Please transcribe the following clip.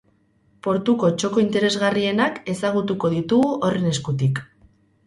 Portuko txoko interesgarrienak ezagutuko ditugu horren eskutik.